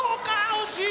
惜しい。